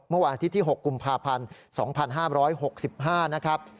เมื่อวานอาทิตย์ที่๖กุมภาพันธ์๒๕๖๕นะครับ